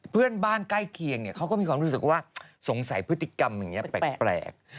เพื่อนบ้านใกล้เคียงเขาก็มีความรู้สึกว่าสงสัยพฤติกรรมอย่างนี้แปลก